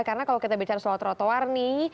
karena kalau kita bicara soal trotoar nih